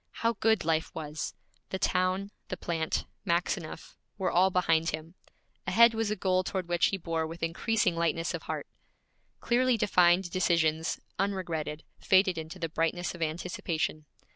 How good life was! The town, the plant, Maxineff, were all behind him. Ahead was a goal toward which he bore with increasing lightness of heart. Clearly defined decisions, unregretted, faded into the brightness of anticipation.